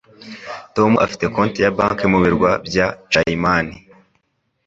Tom afite konti ya banki mu birwa bya Cayman.